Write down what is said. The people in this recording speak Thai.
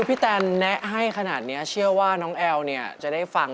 พี่แทนแนะให้ขนาดเนี้ยเชื่อว่าน้องแอ้วจะได้ฟัง